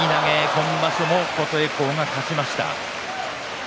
今場所も琴恵光が勝ちました。